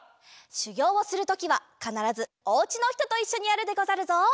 しゅぎょうをするときはかならずおうちのひとといっしょにやるでござるぞ。